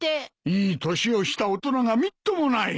いい年をした大人がみっともない！